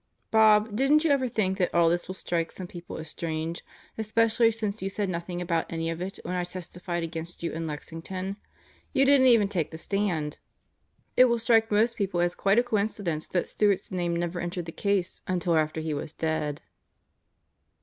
"Bob didn't you ever think that all this will strike some people as strange, especially since you said nothing about any of it when I testified against you in Lexington. You didn't even take the stand. It will strike most people as quite a coincidence that Stewart's name never entered the case until after he was dead."